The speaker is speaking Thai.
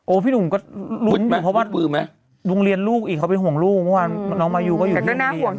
โอ้พี่หนุ่มก็รุ้นอยู่เพราะว่าดุงเรียนลูกอีกเขาเป็นห่วงลูกน้องมายูก็อยู่ดี